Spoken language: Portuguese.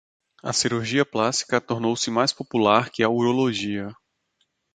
A cirurgia plástica tornou-se mais popular que a urologia.